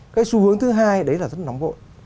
cái xu hướng thứ hai đấy là rất nóng vội